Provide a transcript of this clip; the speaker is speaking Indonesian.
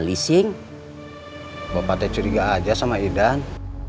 bising bapak teh curiga aja sama idan